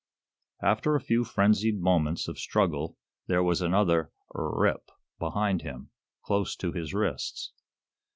After a few frenzied moments of struggle there was another "r r rip" behind him close to his wrists.